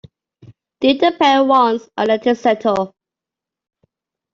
Dip the pail once and let it settle.